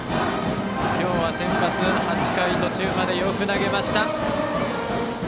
今日は先発８回途中までよく投げました。